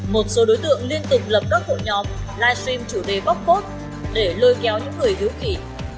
một số đối tượng liên tục lập đất hội nhóm livestream chủ đề bóc cốt để lôi kéo những người thiếu kỷ